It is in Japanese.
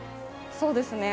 そうですね